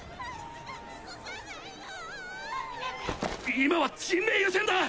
今は人命優先だ！